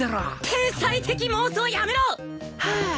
天才的妄想やめろ！はあ！